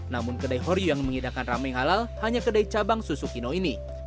namun kedai horyu yang menghidangkan ramen halal hanya kedai cabang susukino ini